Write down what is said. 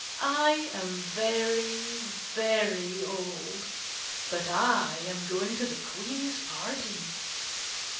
I am very, very old, but I am going to the Queen's party.